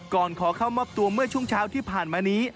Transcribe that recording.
ขอเข้ามอบตัวเมื่อช่วงเช้าที่ผ่านมานี้